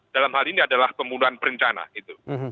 dalam hal ini adalah pembunuhan perencana gitu